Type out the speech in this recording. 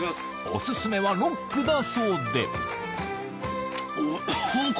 おすすめはロックだそうでおぉ！